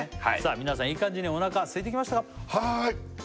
皆さんいい感じにお腹すいてきましたか？